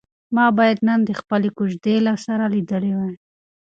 ما باید نن د خپلې کوژدنې سره لیدلي وای.